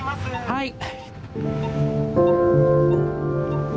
はい。